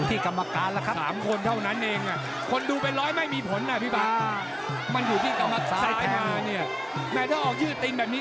ถ้าออกจืดติงแบบนี้แล้วกำเจงสีแดงนี่